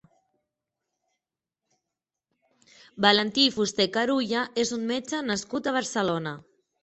Valentí Fuster Carulla és un metge nascut a Barcelona.